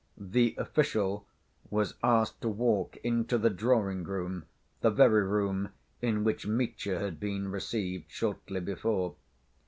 "The official" was asked to walk into the drawing‐room, the very room in which Mitya had been received shortly before.